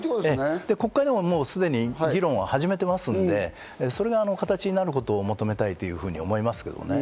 国会でもすでに議論は始めていますので、それが形になることを求めたいと思いますけどね。